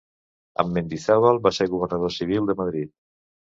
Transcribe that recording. Amb Mendizábal va ser governador civil de Madrid.